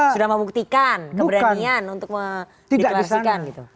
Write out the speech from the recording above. sudah membuktikan keberanian untuk diklasikan